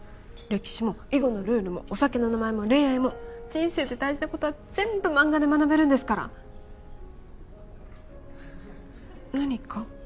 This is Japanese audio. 歴史も囲碁のルールもお酒の名前も恋愛も人生で大事なことは全部マンガで学べるんですから何か？